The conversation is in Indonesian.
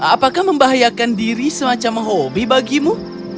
apakah membahayakan diri semacam hobi bagimu